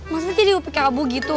masa jadi upik upik abu gitu